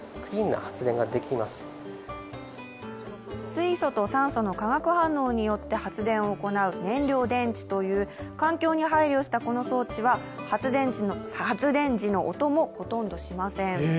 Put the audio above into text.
水素と酸素の化学反応によって発電を行う燃料電池という環境に配慮したこの装置は、発電時の音も、ほとんどしません。